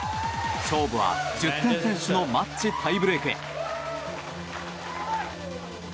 勝負は１０点先取のマッチタイブレークへ。